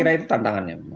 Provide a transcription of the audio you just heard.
saya kira itu tantangannya